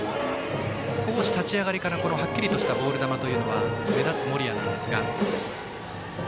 少し立ち上がりからはっきりしたボール球が目立つ森谷なんですが。